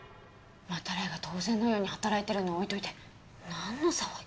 真鱈井が当然のように働いてるのは置いといてなんの騒ぎ？